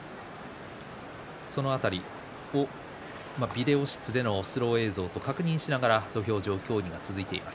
その辺りビデオ室のスロー映像で確認しながら土俵上協議が続いています。